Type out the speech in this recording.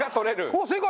おっ正解！